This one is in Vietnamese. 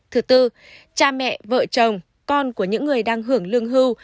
thứ tư cha mẹ vợ chồng con của những người đang hưởng lương hưu